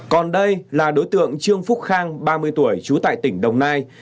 còn đây là đối tượng trương phúc khang ba mươi tuổi trú tại tỉnh đồng nai